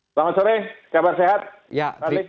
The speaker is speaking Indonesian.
selamat sore kabar sehat